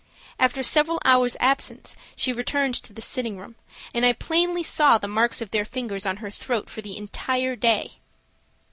After several hours' absence she returned to the sitting room, and I plainly saw the marks of their fingers on her throat for the entire day.